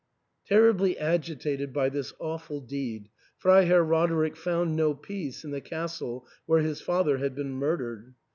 Terribly agitated by this awful deed, Freiherr Rode rick found no peace in the castle where his father had been murdered.